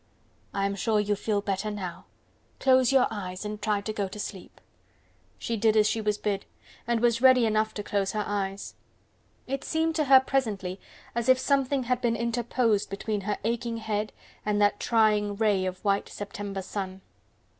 I am sure you feel better now. Close your eyes and try to go to sleep." She did as she was bid, and was ready enough to close her eyes. It seemed to her presently as if something had been interposed between her aching head and that trying ray of white September sun.